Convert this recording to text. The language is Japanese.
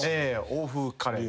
欧風カレー。